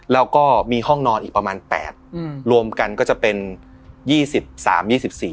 แล้วก็มีห้องนอนอีกประมาณแปดอืมรวมกันก็จะเป็นยี่สิบสามยี่สิบสี่